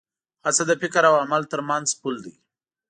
هڅه د فکر او عمل تر منځ پُل دی.